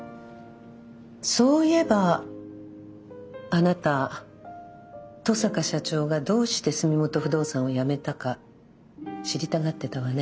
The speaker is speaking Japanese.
そういえばあなた登坂社長がどうして住元不動産をやめたか知りたがってたわね。